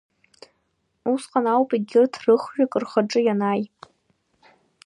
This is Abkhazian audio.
Усҟан ауп егьырҭ рыхҩык рхаҿы ианааи.